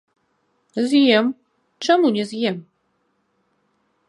З'ем, чаму не з'ем?